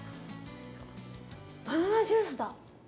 バナナジュースだ！